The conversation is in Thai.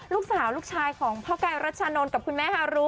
ลูกสาวลูกชายของพ่อกายรัชชานนท์กับคุณแม่ฮารุ